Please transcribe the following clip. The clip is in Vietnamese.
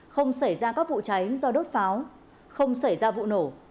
không xảy ra các vụ cháy do đốt pháo không xảy ra vụ nổ